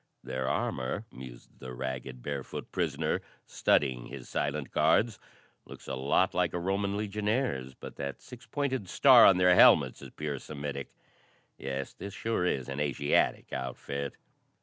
"Their armor," mused the ragged, barefoot prisoner, studying his silent guards, "looks a lot like a Roman legionnaire's, but that six pointed star on their helmets is pure Semitic. Yes, this sure is an Asiatic outfit."